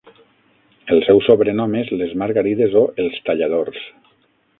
El seu sobrenom és "Les Margarides" o "Els Talladors".